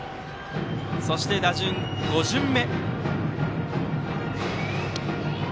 そして打順は５巡目。